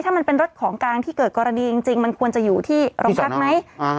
ถ้ามันเป็นรถของกลางที่เกิดกรณีจริงมันควรจะอยู่ที่โรงพักไหม